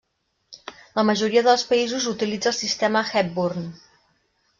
La majoria dels països utilitza el sistema Hepburn.